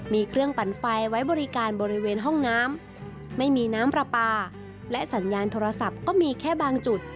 มีเครื่องปั่นไฟไว้บริการบริเวณห้องน้ำไม่มีน้ำปลาปลาและสัญญาณโทรศัพท์ก็มีแค่บางจุด